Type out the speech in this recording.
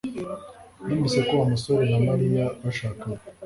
Numvise ko Wa musore na Mariya bashakanye